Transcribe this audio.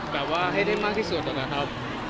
แบบว่าให้ได้มากที่สุดนะครับ